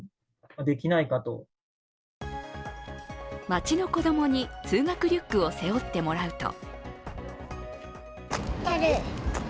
街の子供に通学リュックを背負ってもらうと